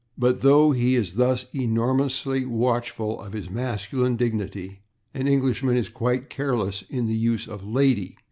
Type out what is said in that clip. But though he is thus enormously watchful of masculine dignity, an Englishman is quite careless in the use of /lady